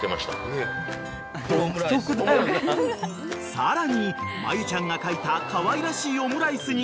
［さらに真由ちゃんが描いたかわいらしいオムライスに］